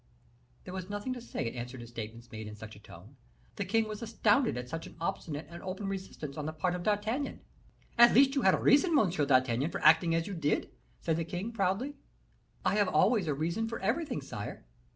There was nothing to say in answer to statements made in such a tone; the king was astounded at such an obstinate and open resistance on the part of D'Artagnan. "At least you had a reason, Monsieur d'Artagnan, for acting as you did?" said the king, proudly. "I have always a reason for everything, sire."